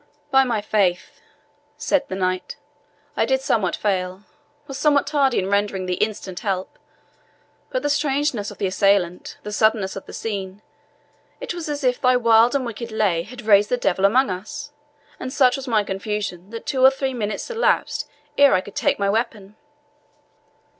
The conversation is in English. "By my faith," said the Knight, "I did somewhat fail was somewhat tardy in rendering thee instant help; but the strangeness of the assailant, the suddenness of the scene it was as if thy wild and wicked lay had raised the devil among us and such was my confusion, that two or three minutes elapsed ere I could take to my weapon."